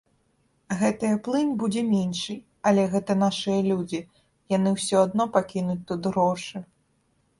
Гэтая плынь будзе меншай, але гэта нашыя людзі, яны ўсё адно пакінуць тут грошы.